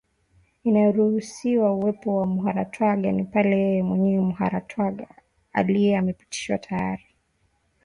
inayoruhusu uwepo wa Muharatwaga ni pale yeye mwenyewe Muharatwaga akiwa amepitishwa tayari kuwa Chifu